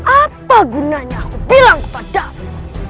apa gunanya aku bilang kepadamu